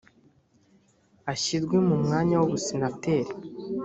ashyirwe mu mwanya w ubusenateri